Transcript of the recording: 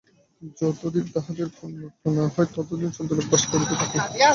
যতদিন তাহাদের পুণ্যক্ষয় না হয়, ততদিন চন্দ্রলোকে বাস করিতে থাকে।